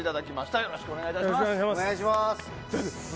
よろしくお願いします。